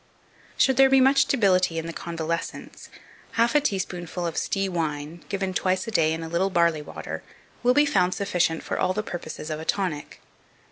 2535. Should there be much debility in the convalescence, half a teaspoonful of stee wine, given twice a day in a little barley water, will be found sufficient for all the purposes of a tonic.